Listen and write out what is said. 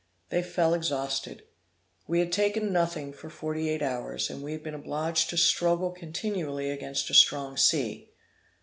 They fell exhausted. We had taken nothing for forty eight hours, and we had been obliged to struggle continually against a strong sea.